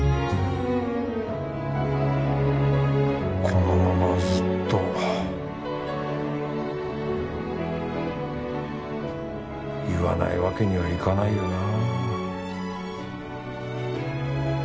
このままずっと言わないわけにはいかないよな